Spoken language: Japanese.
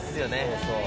そうそう。